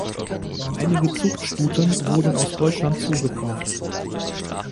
Einige Zuchtstuten wurden aus Deutschland zugekauft.